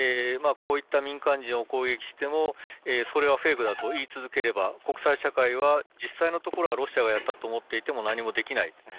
こういった民間人を攻撃しても、それはフェイクだと言い続ければ、国際社会は実際のところはロシアがやったと思っていても何もできない。